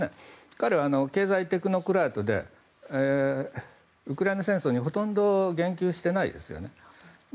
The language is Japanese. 彼は経済テクノクラートでウクライナ戦争にほとんど言及してないですよね。